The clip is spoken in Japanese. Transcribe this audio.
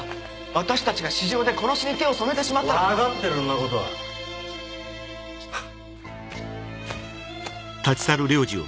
私たちが私情で殺しに手を染めてしまったら分かってるそんなこたぁはっ・